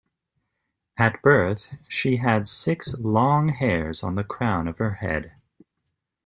At birth, she had six long hairs on the crown of her head.